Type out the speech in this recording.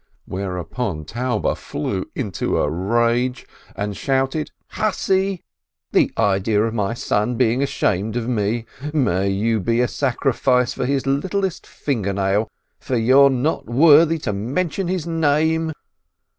Whereon Taube flew into a rage, and shouted : "Hussy ! The idea of my son being ashamed of me ! May you be a sacrifice for his littlest finger nail, for you're not worthy to mention his name